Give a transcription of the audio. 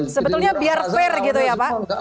sebetulnya biar fair gitu ya pak